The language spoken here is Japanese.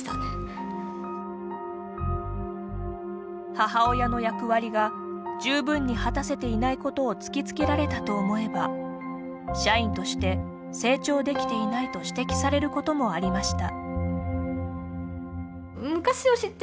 母親の役割が十分に果たせていないことを突きつけられたと思えば社員として成長できていないと指摘されることもありました。